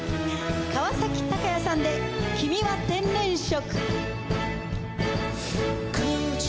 川崎鷹也さんで『君は天然色』。